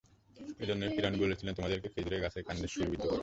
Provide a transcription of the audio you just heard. এ জন্যেই ফিরআউন বলেছিল, তোমাদেরকে খেজুর গাছের কাণ্ডে শূলবিদ্ধ করব।